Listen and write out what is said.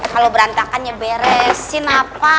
kalau berantakan ya beresin apa